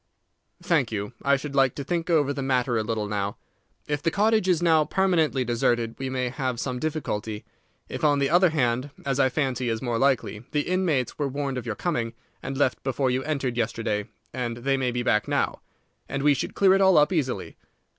"Thank you. I should like to think over the matter a little now. If the cottage is now permanently deserted we may have some difficulty. If, on the other hand, as I fancy is more likely, the inmates were warned of your coming, and left before you entered yesterday, then they may be back now, and we should clear it all up easily.